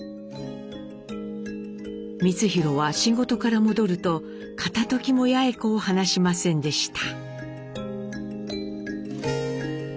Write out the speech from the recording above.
光宏は仕事から戻ると片ときも八詠子を離しませんでした。